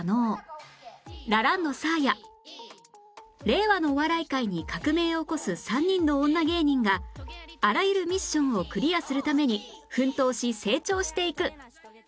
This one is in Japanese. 令和のお笑い界に革命を起こす３人の女芸人があらゆるミッションをクリアするために奮闘し成長していく！